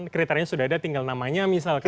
kriteria sudah ada tinggal namanya misalkan